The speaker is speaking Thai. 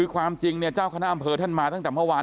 ความจริงเจ้าคณะอำเภอท่านมาตั้งแต่เมื่อวาน